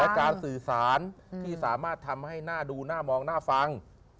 การสื่อสารที่สามารถทำให้หน้าดูหน้ามองหน้าฟัง